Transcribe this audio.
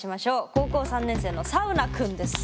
高校３年生のサウナくんです！